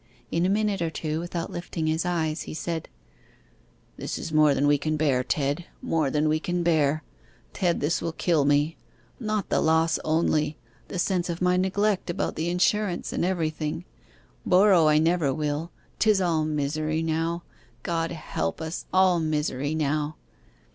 In a minute or two, without lifting his eyes, he said 'This is more than we can bear, Ted more than we can bear! Ted, this will kill me. Not the loss only the sense of my neglect about the insurance and everything. Borrow I never will. 'Tis all misery now. God help us all misery now!